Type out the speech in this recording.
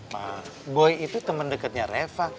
ma boy itu temen dekatnya reva